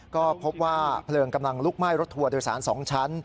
ก็พบว่าเพลิงกำลังลุกไหม้รถทัวร์โดยสาร๒ชั้น